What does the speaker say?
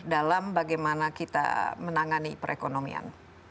dalam bagaimana kita menangani perekonomian